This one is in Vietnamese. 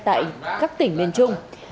tại các tỉnh miền trung